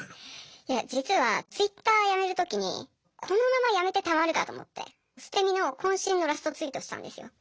いや実はＴｗｉｔｔｅｒやめる時にこのままやめてたまるかと思って捨て身の渾身のラストツイートしたんですよ。